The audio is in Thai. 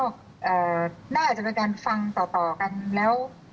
ก็น่าจะเป็นการฟังต่อกันแล้ว